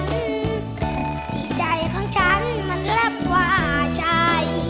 ที่ใจของฉันมันเริ่มกว่าชัย